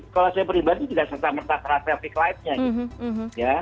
kalau saya pribadi tidak saksama saksama traffic light nya